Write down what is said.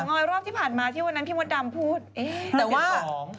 เออต่อง้อยรอบที่ผ่านมาที่วันนั้นพี่มดดำพูดเอ๊ะไม่เป็นของ